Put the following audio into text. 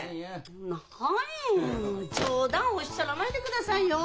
何冗談おっしゃらないでくださいよ。